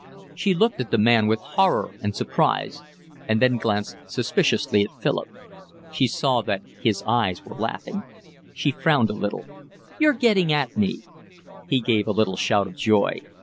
She looked at the man with horror and surprise, and then glanced suspiciously at Philip. She saw that his eyes were laughing. She frowned a little. "You're getting at me." He gave a little shout of joy.